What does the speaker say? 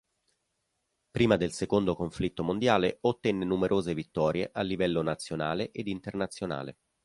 Prima del secondo conflitto mondiale ottenne numerose vittorie a livello nazionale ed internazionale.